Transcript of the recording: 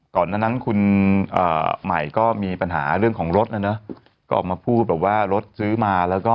ก่อนนั้นคุณใหม่ก็มีปัญหาเรื่องของรถนะเนอะก็ออกมาพูดแบบว่ารถซื้อมาแล้วก็